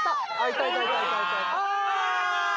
あ！